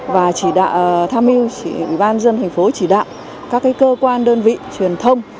và tham mưu ủy ban dân thành phố chỉ đạo các cơ quan đơn vị truyền thông